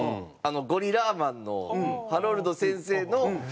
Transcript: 『ゴリラーマン』のハロルド先生の。